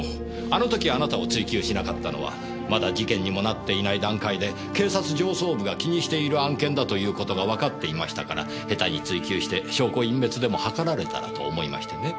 あの時あなたを追及しなかったのはまだ事件にもなっていない段階で警察上層部が気にしている案件だということがわかっていましたから下手に追及して証拠隠滅でも図られたらと思いましてね。